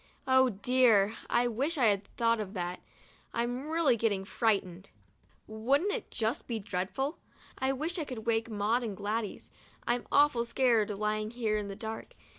Oh dear ! I wish I had thought of that — I'm really getting frightened. Wouldn't it be just dreadful? I wish I could wake Maud and Gladys — I'm awfully scared, lying here in the dark.